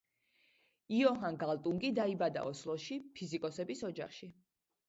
იოჰან გალტუნგი დაიბადა ოსლოში, ფიზიკოსების ოჯახში.